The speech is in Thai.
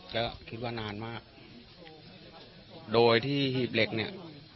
ก็คิดว่านานมากโดยที่หีบเหล็กเนี่ย